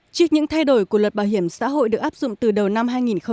trước những thay đổi của luật bảo hiểm xã hội được áp dụng từ đầu năm hai nghìn một mươi bốn